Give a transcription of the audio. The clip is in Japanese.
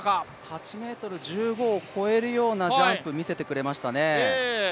８ｍ１５を越えるようなジャンプ、見せてくれました。